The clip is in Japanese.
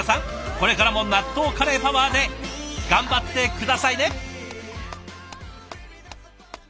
これからも納豆カレーパワーで頑張って下さいね！